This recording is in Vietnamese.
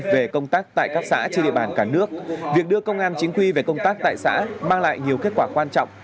về công tác tại các xã trên địa bàn cả nước việc đưa công an chính quy về công tác tại xã mang lại nhiều kết quả quan trọng